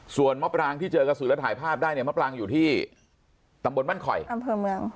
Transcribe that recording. ส่วนมะปรางที่เจอกระสือแล้วถ่ายภาพได้เนี่ยมะปรางอยู่ที่ตำบลมั่นคอยอำเภอเมือง